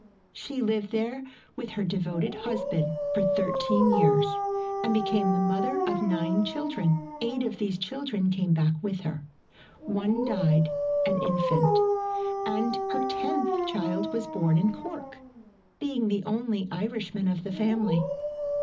She lived there with her devoted husband for thir teen years, and became the mother of nine children. Eight of these children came back with her, one died (an infant), and her tenth child was born in Cork, being the only Irishman of the family.